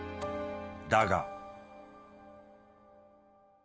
だが。